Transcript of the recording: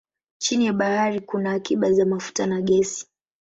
Chini ya bahari kuna akiba za mafuta na gesi.